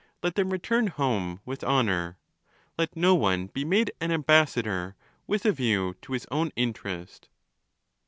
Let them return home with honour. Let no one be made an ambassador with a view to his own interest.